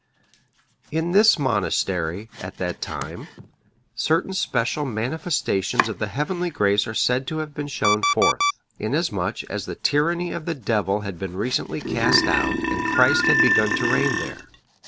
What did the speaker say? ] In this monastery, at that time, certain special manifestations of the heavenly grace are said to have been shown forth; in as much as the tyranny of the Devil had been recently cast out and Christ had begun to reign there.